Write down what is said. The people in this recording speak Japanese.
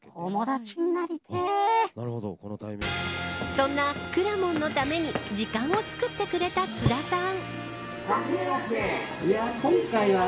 そんなくらもんのために時間をつくってくれた津田さん。